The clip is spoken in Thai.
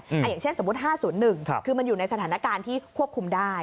อย่างเช่นสมมุติ๕๐๑คือมันอยู่ในสถานการณ์ที่ควบคุมได้